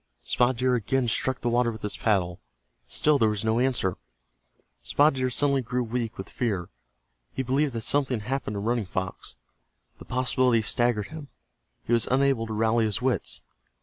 Spotted Deer again struck the water with his paddle. Still there was no answer. Spotted Deer suddenly grew weak with fear. He believed that something had happened to Running Fox. The possibility staggered him. He was unable to rally his wits.